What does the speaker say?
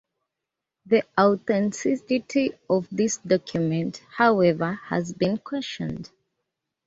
The authenticity of this document, however, has been questioned.